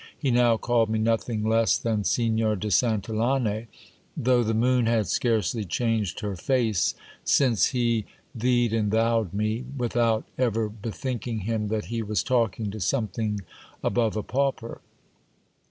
He now called me nothing less than Signor de Santillane, though the moon had scarcely changed her face since he theid and thou'd me, without ever bethinking him that he was talking to some thing above a pauper.